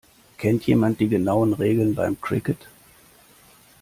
Kennt jemand die genauen Regeln beim Cricket?